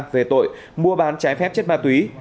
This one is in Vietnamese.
về tội mua bán trái phép chất ma túy